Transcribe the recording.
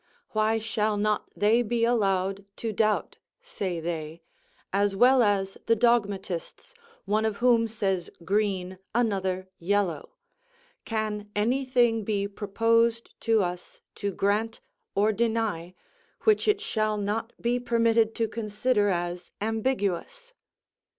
"Why shall not they be allowed to doubt," say they, "as well as the dogmatists, one of whom says green, another yellow? Can any thing be proposed to us to grant, or deny, which it shall not be permitted to consider as ambiguous?"